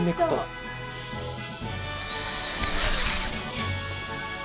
よし。